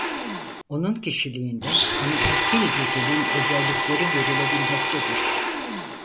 Onun kişiliğinde anaerkil düzenin özellikleri görülebilmektedir.